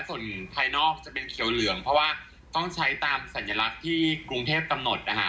ส่วนภายนอกจะเป็นเขียวเหลืองเพราะว่าต้องใช้ตามสัญลักษณ์ที่กรุงเทพกำหนดนะคะ